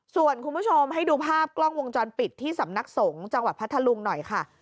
ส่วนคุณผู้ชมให้ดูภาพกล้องวงจรปิดที่สำนักสงฆ์จังหวัดพัทธลุงหน่อยค่ะ